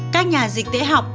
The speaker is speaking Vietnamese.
các nhà dịch tễ học